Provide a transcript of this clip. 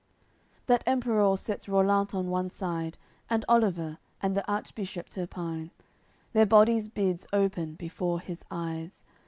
AOI. CCXIII That Emperour sets Rollant on one side And Oliver, and the Archbishop Turpine; Their bodies bids open before his eyes.